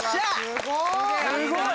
すごい！